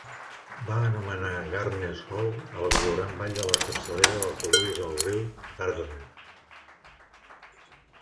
Va anomenar "Gardner's Hole" a l'exuberant vall de la capçalera del que avui és el riu Gardner.